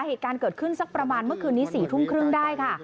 เหตุการณ์เกิดขึ้นสักประมาณเมื่อคืนนี้๔ทุ่มครึ่งได้ค่ะ